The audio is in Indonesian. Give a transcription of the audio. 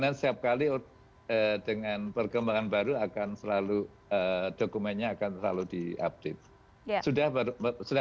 dan setiap kali dengan perkembangan baru dokumennya akan selalu diupdate